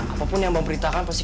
apapun yang bang perintahkan pasti